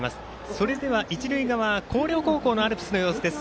それでは一塁側広陵高校のアルプスの様子です。